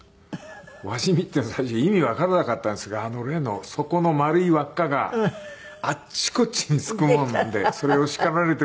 輪染みって最初意味わからなかったんですが例の底の丸い輪っかがあっちこっちに付くもんでそれを叱られている。